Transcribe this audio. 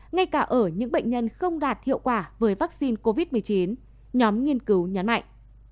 ngay cả ở những bệnh nhân không đạt hiệu quả với vaccine covid một mươi chín nhóm nghiên cứu nhấn mạnh